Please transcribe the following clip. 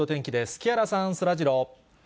木原さん、そらジロー。